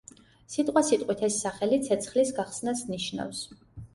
სიტყვასიტყვით ეს სახელი „ცეცხლის გახსნას“ ნიშნავს.